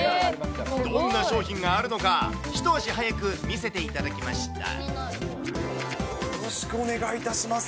どんな商品があるのか、よろしくお願いいたします。